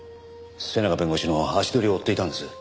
末永弁護士の足取りを追っていたんです。